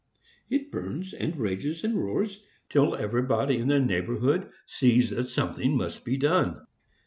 It burns, and rages, and roars, till everybody in the neighborhood sees that something must be done.